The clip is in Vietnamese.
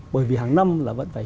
bởi vì hàng năm là vẫn phải